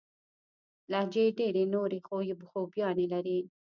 لهجې ډېري نوري خوباياني لري.